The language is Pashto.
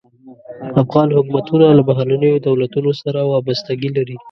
افغان حکومتونه له بهرنیو دولتونو سره وابستګي لري.